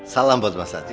salam buat mas sati